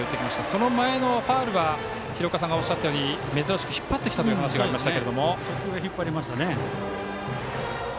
その前のファウルは廣岡さんがおっしゃったように珍しく引っ張ってきたというお話がありました。